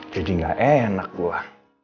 jadi gak enak gue